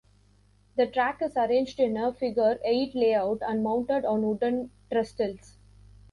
The track is arranged in a figure-eight layout and mounted on wooden trestles.